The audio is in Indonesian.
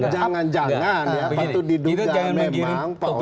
jangan jangan ya patut diduga memang pak oso